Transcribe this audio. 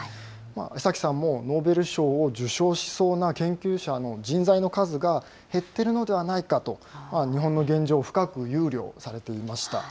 江崎さんも、ノーベル賞を受賞しそうな研究者の人材の数が減ってるのではないかと、日本の現状を深く憂慮されていました。